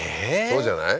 そうじゃない？